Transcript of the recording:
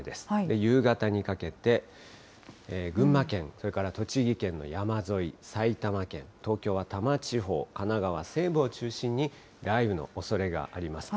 夕方にかけて、群馬県、それから栃木県の山沿い、埼玉県、東京は多摩地方、神奈川西部を中心に、雷雨のおそれがあります。